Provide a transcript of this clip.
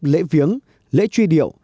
lễ viếng lễ truy điệu